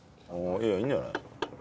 いいんじゃない？